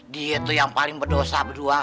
dia itu yang paling berdosa berdua